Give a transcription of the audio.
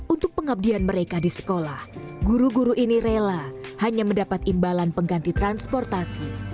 untuk pengabdian mereka di sekolah guru guru ini rela hanya mendapat imbalan pengganti transportasi